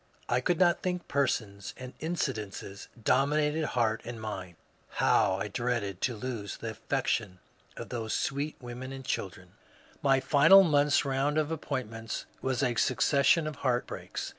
I eould not think; persons and incidents dominated heart and mind ; how I dreaded to lose the affec tion of those sweet women and children I My final month's round of appointments was a succession of heartbreaks.